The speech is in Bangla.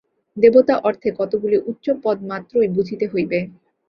দেবতা অর্থে কতকগুলি উচ্চপদমাত্রই বুঝিতে হইবে।